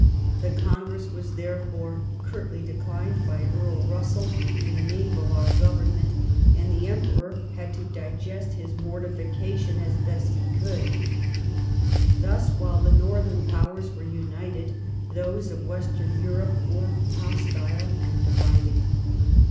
The Congress was, therefore, curtly declined by Earl Bussell in the name of our Government, and the Emperor had to digest his mortification as best he could. Thus, while the Northern Powers were united, those of Western Europe were hostile and divided.